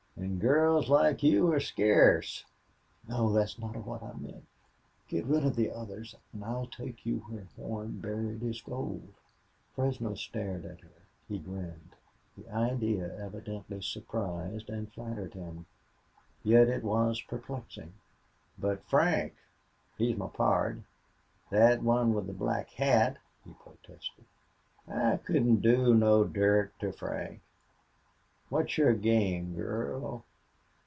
An' girls like you are scarce." "No, that's not what I meant.... Get rid of the others and I'll take you where Horn buried his gold." Fresno stared at her. He grinned. The idea evidently surprised and flattered him; yet it was perplexing. "But Frank he's my pard thet one with the black hat," he protested. "I couldn't do no dirt to Frank.... What's your game, girl?